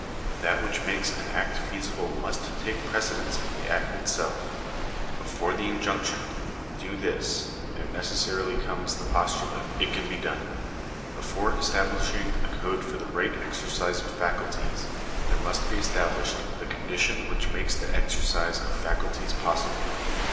That which makes an act feasible must take precedence of the act itself. Before the injunction — Do this, there necessarily comes the postulate — It can be done. Before establishing a code for the right exercise of faculties, there must be established the condition which makes the exer cise of faculties possible.